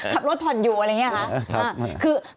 ขับรถผ่อนอยู่อะไรอย่างนี้ครับ